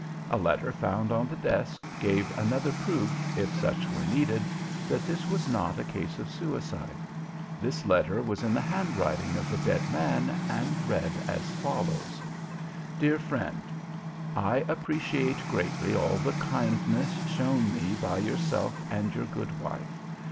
A letter found on the desk gave another proof, if such were needed, that this was not a case of suicide. This letter was in the handwriting of the dead man, and read as follows: Dear Friend: I appreciate greatly all the kindness shown me by yourself and your good wife.